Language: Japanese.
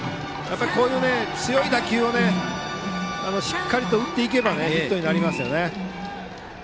こういう強い打球をしっかり打っていけばヒットになりますね。